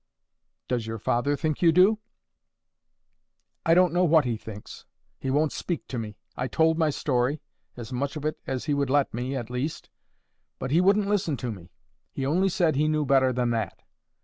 "Does your father think you do?" "I don't know what he thinks. He won't speak to me. I told my story—as much of it as he would let me, at least—but he wouldn't listen to me. He only said he knew better than that.